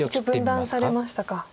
分断されましたか。